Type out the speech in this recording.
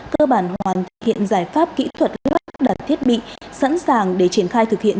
cơ bản hoàn thiện giải pháp kỹ thuật lắp đặt thiết bị sẵn sàng để triển khai thực hiện